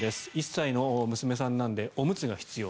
１歳の娘さんなのでおむつが必要。